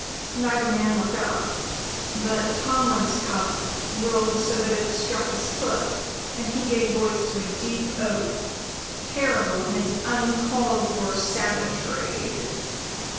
Neither man looked up; but Tomlin's cup rolled so that it struck his foot, and he gave voice to a deep oath, terrible in its uncalled for savagery.